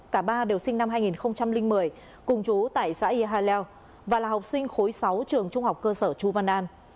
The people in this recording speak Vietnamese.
cả ba đều sinh năm hai nghìn một mươi cùng chú tại xã yà leo và là học sinh khối sáu trường trung học cơ sở chu văn an